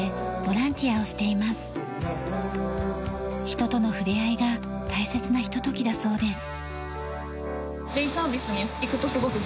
人との触れ合いが大切なひとときだそうです。